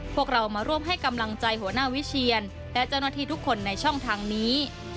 พวกเรามาร่วมให้กำลังใจหัวหน้าวิเชียนและเจ้าหน้าที่ทุกคนในช่องทางนี้